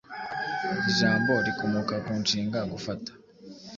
Iri jambo rikomoka ku nshinga “gufata”.